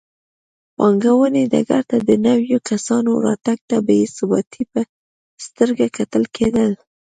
پانګونې ډګر ته د نویو کسانو راتګ ته بې ثباتۍ په سترګه کتل کېدل.